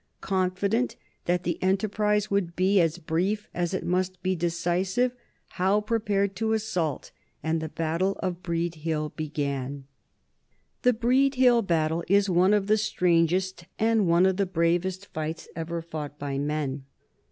Confident that the enterprise would be as brief as it must be decisive, Howe prepared to assault, and the battle of Breed Hill began. [Sidenote: 1775 The Battle of Breed Hill] The Breed Hill battle is one of the strangest and one of the bravest fights ever fought by men.